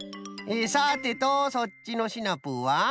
さてとそっちのシナプーは？